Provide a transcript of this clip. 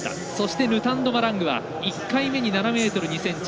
ヌタンド・マラングは１回目に７ｍ２ｃｍ。